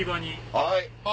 はい！